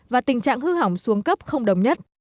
và tình trạng hư hỏng xuống cấp không đồng nhất